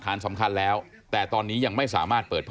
ร้องร้องร้องร้องร้องร้อง